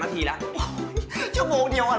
ไอ้โต๊ยอีกแล้วเหรอ